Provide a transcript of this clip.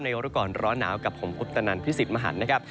นายกรกรร้อนหนาวกับผมอุปตนันพิศิษฐ์มหันต์นะครับ